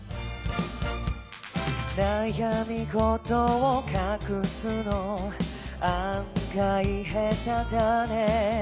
「悩み事をかくすの案外、下手だね」